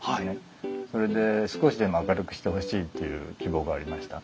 それで少しでも明るくしてほしいっていう希望がありました。